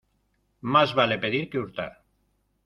Más vale pedir que hurtar.